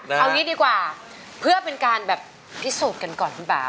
เอางี้ดีกว่าเพื่อเป็นการแบบพิสูจน์กันก่อนคุณป่า